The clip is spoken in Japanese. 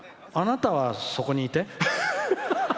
あなたは、そこにいて。